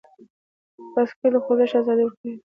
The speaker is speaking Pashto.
بایسکل د خوځښت ازادي ورکوي.